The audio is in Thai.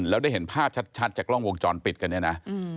แล้วได้เห็นภาพชัดจากกล้องวงจรปิดกันเนี่ยนะ